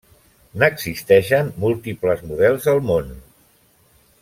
N'existeixen múltiples models al món.